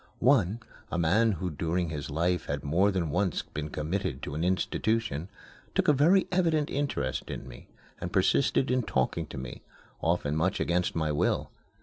One, a man who during his life had more than once been committed to an institution, took a very evident interest in me and persisted in talking to me, often much against my will.